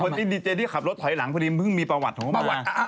ไม่ใช่ดีเจดี่ขับรถถอยหลังเพราะมีประวัติมา